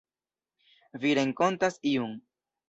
Vi renkontas iun.